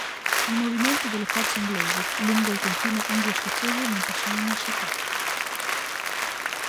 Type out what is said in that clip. I movimenti delle forze inglesi lungo il confine anglo-scozzese non passò inosservato.